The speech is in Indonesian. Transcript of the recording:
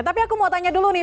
tapi aku mau tanya dulu nih